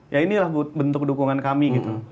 ya inilah bentuk dukungan kami gitu